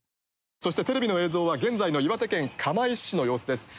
そして、テレビの映像は現在の岩手県釜石市の様子です。